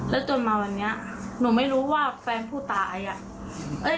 แล้วจนมาวันนี้หนูไม่รู้ว่าแฟนผู้ตายอ่ะ